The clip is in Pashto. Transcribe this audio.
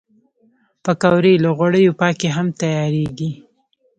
پکورې له غوړیو پاکې هم تیارېږي